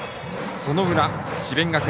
その裏、智弁学園。